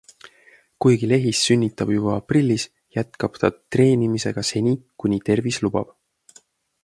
Kuigi Lehis sünnitab juba aprillis, jätkab ta treenimisega seni, kuni tervis lubab.